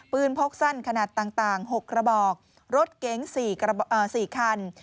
พกสั้นขนาดต่าง๖กระบอกรถเก๋ง๔คัน